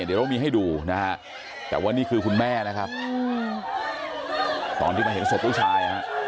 เดี๋ยวเรามีให้ดูนะฮะแต่ว่านี่คือคุณแม่นะครับตอนที่มาเห็นศพลูกชายฮะ